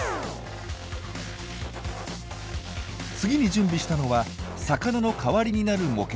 次に準備したのは魚の代わりになる模型。